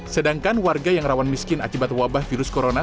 sedangkan warga yang rawan miskin akibat wabah virus corona